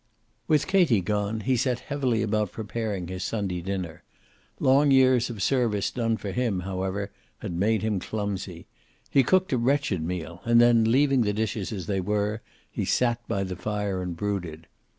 With Katie gone, he set heavily about preparing his Sunday dinner. Long years of service done for him, however, had made him clumsy. He cooked a wretched meal, and then, leaving the dishes as they were, he sat by the fire and brooded.